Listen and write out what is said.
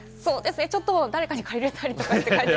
ちょっと誰かに借りたりして。